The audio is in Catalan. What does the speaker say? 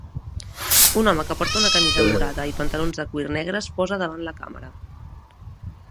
Un home que porta una camisa morada i pantalons de cuir negres posa davant la càmera.